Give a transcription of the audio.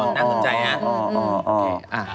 น่าสนใจนะ